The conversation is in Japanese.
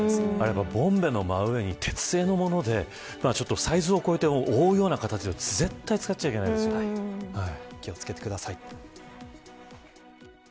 ボンベの真上に鉄製のものでサイズを超えて覆うような形でやると気を付けてください。